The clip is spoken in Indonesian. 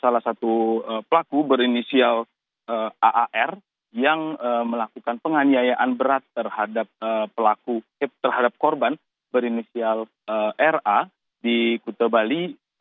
salah satu pelaku berinisial aar yang melakukan penganiayaan berat terhadap pelaku terhadap korban berinisial ra di kute bali